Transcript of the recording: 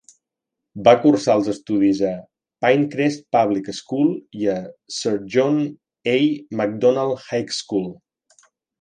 Va cursar els estudis a Pinecrest Public School i a Sir John A. Macdonald High School.